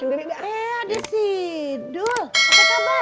eh ada sih dul